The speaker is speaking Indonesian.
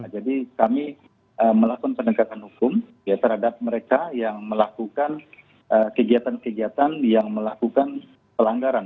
jadi kami melakukan penegakan hukum terhadap mereka yang melakukan kegiatan kegiatan yang melakukan pelanggaran